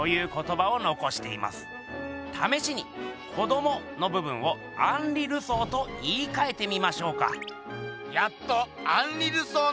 ためしに「子ども」の部分をアンリ・ルソーと言いかえてみましょうか？